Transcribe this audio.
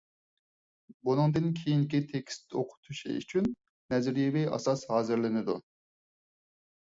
بۇنىڭدىن كېيىنكى تېكىست ئوقۇتۇشى ئۈچۈن نەزەرىيىۋى ئاساس ھازىرلىنىدۇ.